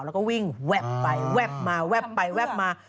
แล้วก็วิ่งแวบไปแวบมาแวบไปแวบมา